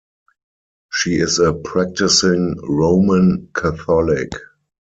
She is a practising Roman Catholic.